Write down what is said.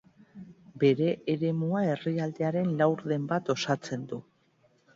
Bere eremua herrialdearen laurden bat osatzen du.